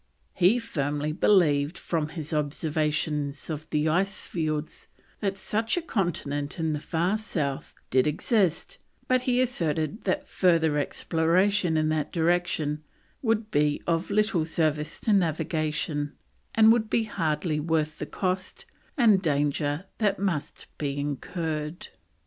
He firmly believed from his observations of the icefields that such a continent in the far south did exist, but he asserted that further exploration in that direction would be of little service to navigation, and would be hardly worth the cost and danger that must be incurred.